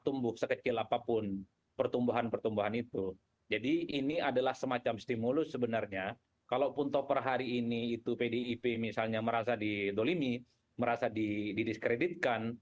tumbuh sebenarnya kalaupun topper hari ini itu pdip misalnya merasa didolimi merasa didiskreditkan